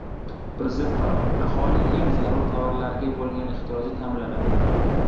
Prezident qarori: Aholining eng zarur tovarlarga bo‘lgan ehtiyoji ta’minlanadi